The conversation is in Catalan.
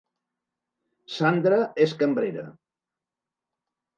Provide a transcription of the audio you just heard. Sandra és cambrera